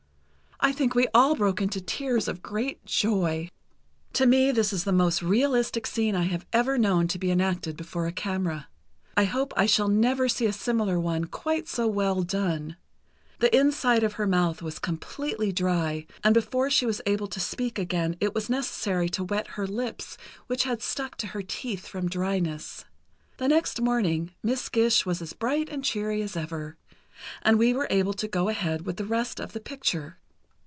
I think we all broke into tears of great joy. To me this is the most realistic scene I have ever known to be enacted before a camera. I hope I shall never see a similar one quite so well done. The inside of her mouth was completely dry, and before she was able to speak again it was necessary to wet her lips which had stuck to her teeth from dryness. The next morning Miss Gish was as bright and cheery as ever, and we were able to go ahead with the rest of the picture.